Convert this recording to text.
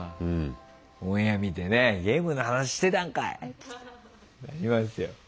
オンエア見てね「ゲームの話してたんかい！」って言いますよ。